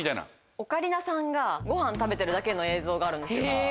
オカリナさんがごはん食べてるだけの映像があるんですよ。